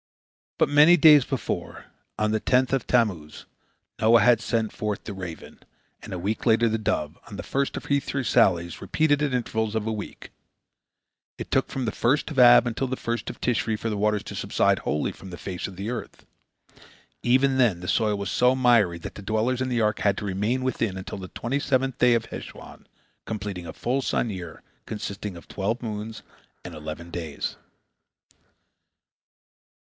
But many days before, on the tenth of Tammuz, Noah had sent forth the raven, and a week later the dove, on the first of her three sallies, repeated at intervals of a week. It took from the first of Ab until the first of Tishri for the waters to subside wholly from the face of the earth. Even then the soil was so miry that the dwellers in the ark had to remain within until the twenty seventh day of Heshwan, completing a full sun year, consisting of twelve moons and eleven days.